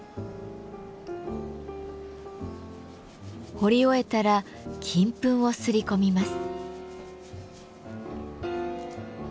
彫り終えたら金粉をすり込みます。